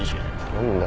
何だ？